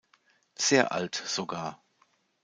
Sehr alt sogar.